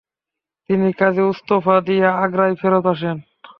তিনি কাজে ইস্তফা দিয়ে আগ্রায় ফেরৎ আসেন।